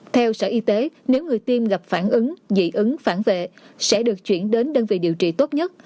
theo sở y tế nếu người tiêm gặp phản ứng dị ứng phản vệ sẽ được chuyển đến đơn vị điều trị tốt nhất